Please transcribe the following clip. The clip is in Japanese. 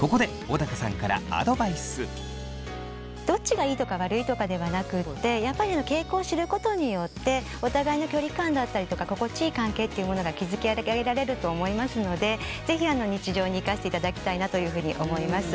ここでどっちがいいとか悪いとかではなくってやっぱり傾向を知ることによってお互いの距離感だったりとか心地いい関係っていうものが築き上げられると思いますので是非日常に生かしていただきたいなというふうに思います。